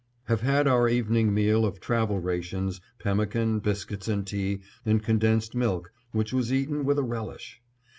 Have had our evening meal of travel rations; pemmican, biscuits, and tea and condensed milk, which was eaten with a relish.